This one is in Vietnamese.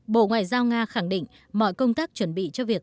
bộ ngoại giao nga khẳng định mọi công tác chuẩn bị cho việc